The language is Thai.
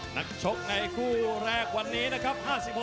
นักชกในกู้แรกเมื่อวันนี้นะครับ